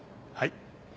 はい。